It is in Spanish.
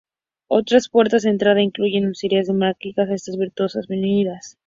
Otras puertas de entrada incluyen úlceras, dermatitis por estasis venosa y heridas.